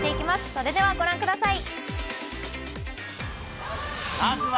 それではご覧ください。